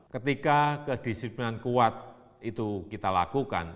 ketika kedisiplinan kuat itu kita lakukan